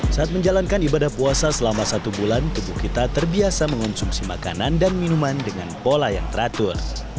saat menjalankan ibadah puasa selama satu bulan tubuh kita terbiasa mengonsumsi makanan dan minuman dengan pola yang teratur